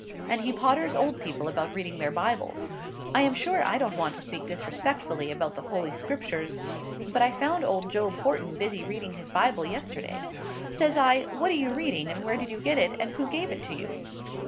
And he potters old people about reading their Bibles. I am sure I don't want to speak disrespectfully about the Holy Scriptures, but I found old Job Horton busy reading his Bible yesterday. Says I, 'What are you reading, and where did you get it, and who gave it you?